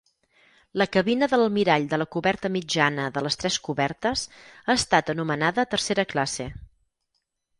La cabina de l'almirall de la coberta mitjana de les tres cobertes ha estat anomenada tercera classe.